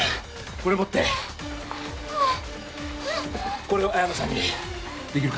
これ持ってこれを彩乃さんにできるか？